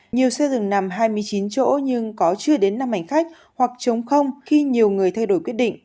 nhiều xe dừng nằm hai mươi chín chỗ nhưng có chưa đến năm hành khách hoặc chống không khi nhiều người thay đổi quyết định